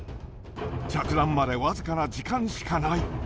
着弾まで僅かな時間しかない。